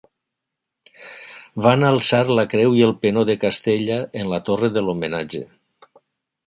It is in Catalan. Van alçar la creu i el penó de Castella en la torre de l'Homenatge.